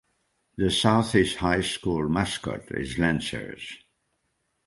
The Southeast High School mascot is Lancers.